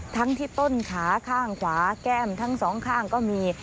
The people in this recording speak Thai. ทั้งที่ต้นขาข้างขวาแก้มทั้งสองข้างก็มี